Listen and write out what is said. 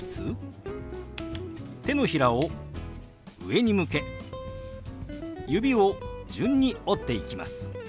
手のひらを上に向け指を順に折っていきます。